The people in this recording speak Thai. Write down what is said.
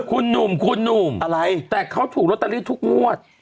คุณหนุ่มอะไรแต่เขาถูกลดตริศทุกงวด